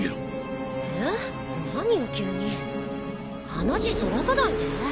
話そらさないで。